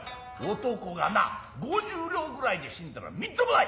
男がな五十両ぐらいで死んだらみっともない！